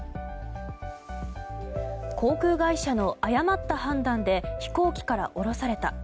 航空会社の誤った判断で飛行機から降ろされた。